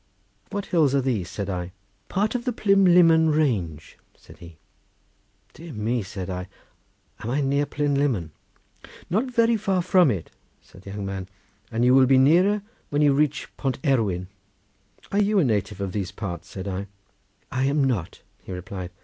"What hills are these?" said I. "Part of the Plynlimmon range," said he. "Dear me," said I, "am I near Plynlimmon?" "Not very far from it," said the young man, "and you will be nearer when you reach Pont Erwyd." "Are you a native of these parts?" said I. "I am not," he replied.